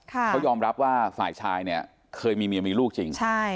เขายอมรับว่าฝ่ายชายเนี่ยเคยมีเมียมีลูกจริง